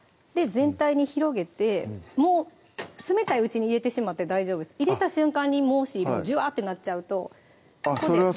全体に広げてもう冷たいうちに入れてしまって大丈夫です入れた瞬間にもしジュワッてなっちゃうとそれはそれで違うんですね